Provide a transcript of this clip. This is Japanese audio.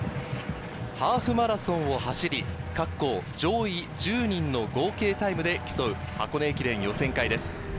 ハーフマラソンを走り、各校上位１０人の合計タイムで競う、箱根駅伝予選会です。